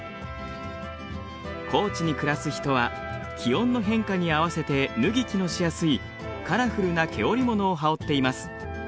高地に暮らす人は気温の変化に合わせて脱ぎ着のしやすいカラフルな毛織物を羽織っています。